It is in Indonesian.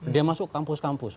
dia masuk kampus kampus